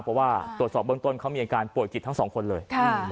เพราะว่าตรวจสอบเบื้องต้นเขามีอาการป่วยจิตทั้งสองคนเลย